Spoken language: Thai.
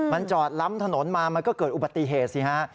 มันจอดล้ำถนนมามันก็เกิดอุบัติเหตุสิฮะ